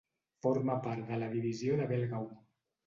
Forma part de la divisió de Belgaum.